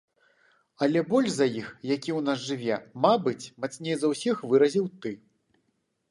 Але боль за іх, які ў нас жыве, мабыць, мацней за ўсіх выразіў ты.